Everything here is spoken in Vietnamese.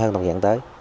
trong thời gian tới